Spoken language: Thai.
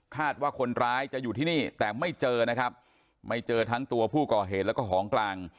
ว่าคนร้ายจะอยู่ที่นี่แต่ไม่เจอนะครับไม่เจอทั้งตัวผู้ก่อเหตุแล้วก็ของกลาง